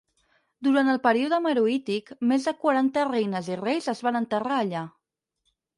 Durant el període meroític, més de quaranta reines i reis es van enterrar allà.